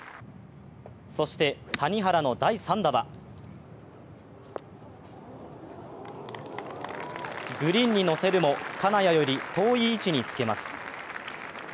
そして谷原の第３打はグリーンに乗せるも、金谷より遠い位置につけます。